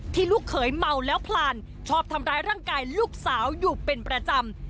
ลูกเขยเมาแล้วพลานชอบทำร้ายร่างกายลูกสาวอยู่เป็นประจำ